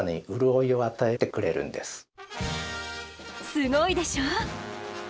すごいでしょ。